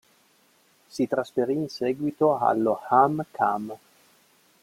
Si trasferì in seguito allo HamKam.